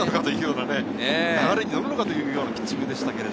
流れに乗るのかというようなピッチングでした。